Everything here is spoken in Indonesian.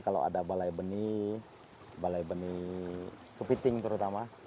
kalau ada balai benih balai benih kepiting terutama